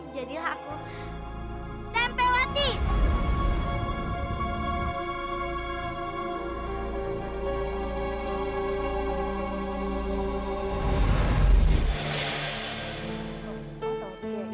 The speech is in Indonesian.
jadilah aku tempewati